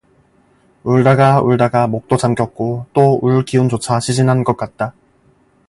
울다가 울다가 목도 잠겼고 또 울 기운조차 시진한 것 같다.